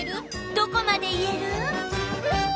どこまでいえる？